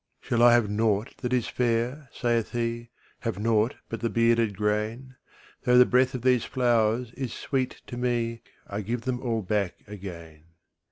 ``Shall I have nought that is fair?'' saith he; ``Have nought but the bearded grain? Though the breath of these flowers is sweet to me, I will give them all back again.''